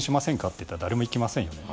って言ったら誰もいきませんよね